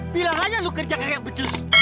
bilang aja lu kerja kayak becus